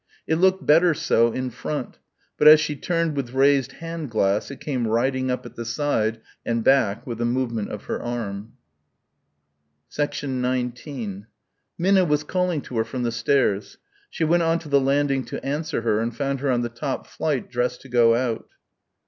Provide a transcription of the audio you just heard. It looked better so in front; but as she turned with raised hand glass it came riding up at the side and back with the movement of her arm. 19 Minna was calling to her from the stairs. She went on to the landing to answer her and found her on the top flight dressed to go out.